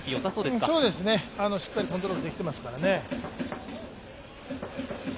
しっかりコントロールできていますからね。